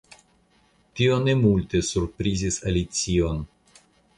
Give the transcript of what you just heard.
Tio ne multe surprizis Alicion.